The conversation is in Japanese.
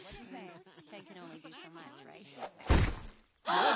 ああ！